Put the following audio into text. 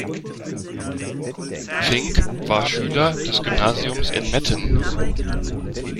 Fink war Schüler des Gymnasiums in Metten.